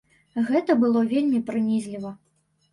Гэта было вельмі прынізліва.